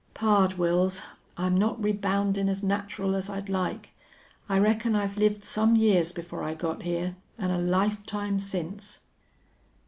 "Pard Wils, I'm not reboundin' as natural as I'd like. I reckon I've lived some years before I got here, an' a lifetime since."